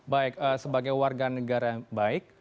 baik sebagai warga negara yang baik